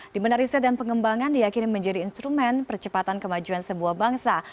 dimana riset dan pengembangan diyakini menjadi instrumen percepatan kemajuan sebuah bangsa